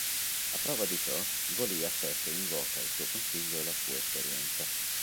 A prova di ciò Golia spesso invoca il suo consiglio e la sua esperienza.